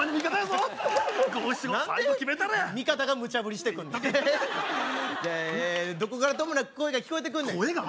何で味方がムチャぶりしてくんねんどこからともなく声が聞こえてくんねん声が？